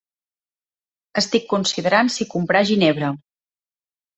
Estic considerant si comprar ginebra.